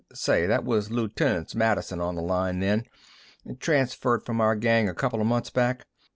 Say, that was Loot'n't Madison on the line, then. Transferred from our gang a coupla months back.